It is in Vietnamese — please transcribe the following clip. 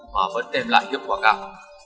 mà vẫn tèm lại hiệu quả cao